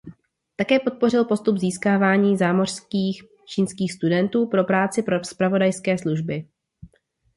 Také podpořil postup získávání zámořských čínských studentů pro práci pro zpravodajské služby.